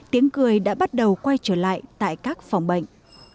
tiếng cười đã bắt đầu quay trở lại tại các phòng bệnh